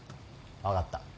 分かった。